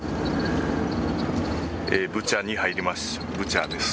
ブチャに入ります。